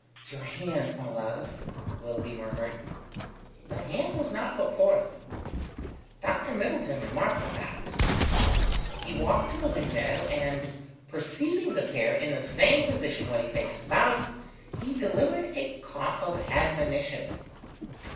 "Your hand, my love," Willoughby murmured. The hand was not put forth. Dr. Middleton remarked the fact. He walked to the window, and perceiving the pair in the same position when he faced about, he delivered a cough of admonition.